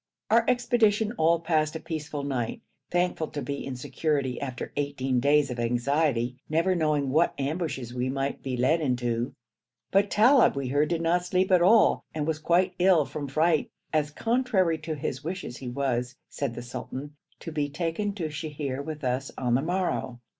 Our expedition all passed a peaceful night, thankful to be in security after eighteen days of anxiety, never knowing what ambushes we might be led into; but Talib we heard did not sleep at all and was quite ill from fright, as contrary to his wishes he was, said the sultan, to be taken to Sheher with us on the morrow.